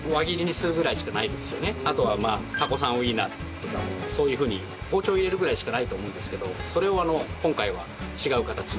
あとはタコさんウィンナーとかそういうふうに包丁を入れるぐらいしかないと思うんですけどそれを今回は違う形に。